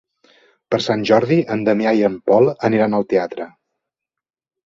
Per Sant Jordi en Damià i en Pol aniran al teatre.